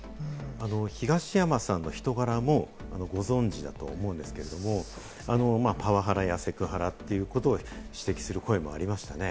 東山さんの人柄もご存じだと思うんですけれども、パワハラやセクハラ、ということを指摘する声もありましたね。